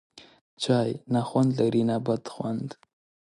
چای، نه خوند لري نه بد خوند